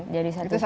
jadi satu trip